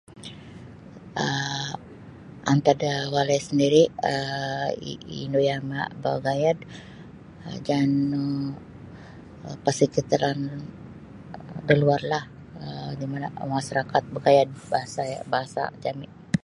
um Antad da walai sandiri[um] indu yama bagayad jangan nu pasakitaran da luar lah um di mana masyarakat bagayad bahasa jami.